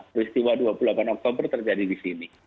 peristiwa dua puluh delapan oktober terjadi di sini